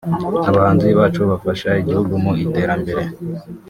Abahanzi bacu bafasha igihugu mu iterambere